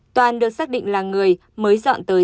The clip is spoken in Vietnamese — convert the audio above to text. toàn được xác định là người mới dọn tới